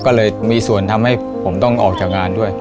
ก็เลยมีส่วนทำให้ผมต้องออกจากงานด้วย